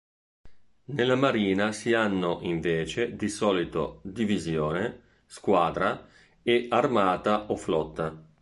Nella marina si hanno, invece, di solito: "divisione", "squadra" e "armata" o "flotta".